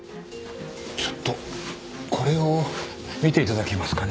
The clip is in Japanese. ちょっとこれを見て頂けますかね？